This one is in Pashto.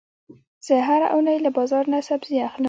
زه هره اونۍ له بازار نه سبزي اخلم.